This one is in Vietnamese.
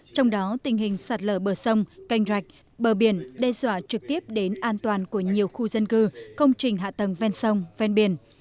trong đó tình hình sạt lở bờ sông canh rạch bờ biển đe dọa trực tiếp đến an toàn của nhiều khu dân cư công trình hạ tầng ven sông ven biển